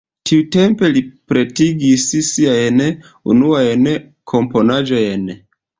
Tiutempe li pretigis siajn unuajn komponaĵojn.